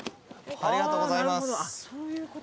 ありがとうございます。